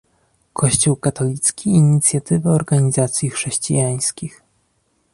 kościół katolicki i inicjatywy organizacji chrześcijańskich